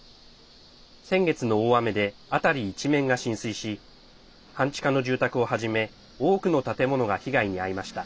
先月の大雨で辺り一面が浸水し半地下の住宅をはじめ多くの建物が被害に遭いました。